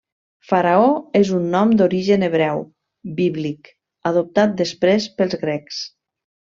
Faraó és un nom d'origen hebreu, bíblic, adoptat després pels grecs.